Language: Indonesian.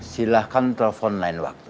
silahkan telepon lain waktu